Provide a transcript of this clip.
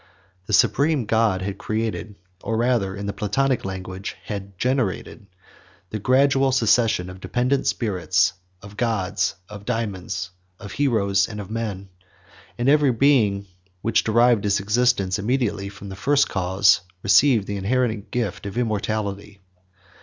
The Supreme God had created, or rather, in the Platonic language, had generated, the gradual succession of dependent spirits, of gods, of dæmons, of heroes, and of men; and every being which derived its existence immediately from the First Cause, received the inherent gift of immortality.